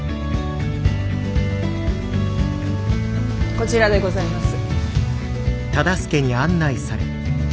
こちらでございます。